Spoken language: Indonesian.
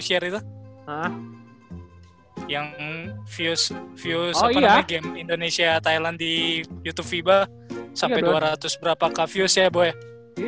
share itu yang views views indonesia thailand di youtube viva sampai dua ratus berapa ke views ya boy